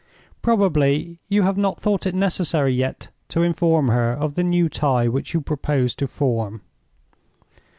Probably you have not thought it necessary yet to inform her of the new tie which you propose to form?"